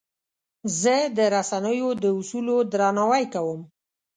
زه د رسنیو د اصولو درناوی کوم.